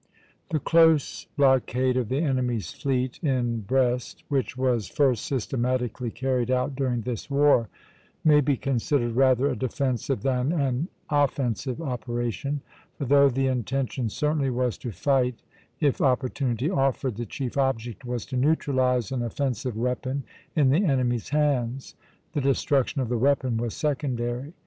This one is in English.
The close blockade of the enemy's fleet in Brest, which was first systematically carried out during this war, may be considered rather a defensive than an offensive operation; for though the intention certainly was to fight if opportunity offered, the chief object was to neutralize an offensive weapon in the enemy's hands; the destruction of the weapon was secondary.